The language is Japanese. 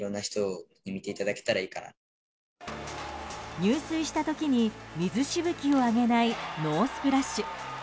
入水した時に水しぶきを上げないノースプラッシュ。